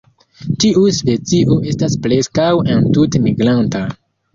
Tiu specio estas preskaŭ entute migranta.